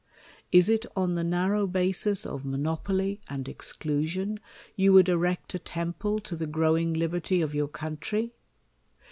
Is it on the narrov,' basis of monopoly and exclusion you would erect a temple to the growing liberty of your country